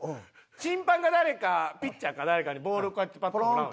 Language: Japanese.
審判が誰かピッチャーか誰かにボールをこうやってパッともらう。